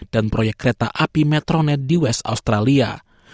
dan proyek kereta api metronet di west australia